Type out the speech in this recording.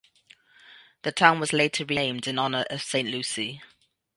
The town was later renamed in honor of Saint Lucy.